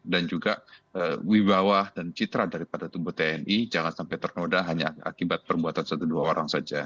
dan juga wibawah dan citra daripada tubuh tni jangan sampai ternoda hanya akibat perbuatan satu dua orang saja